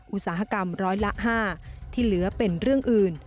อุตสาหกรรมร้อยละ๕ที่เหลือเป็นเรื่องอื่น